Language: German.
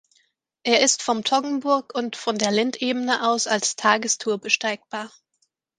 Er ist vom Toggenburg und von der Linthebene aus als Tagestour besteigbar.